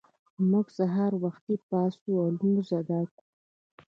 موږ سهار وختي پاڅو او لمونځ ادا کوو